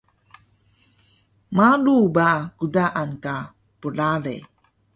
Malu ba qtaan ka plale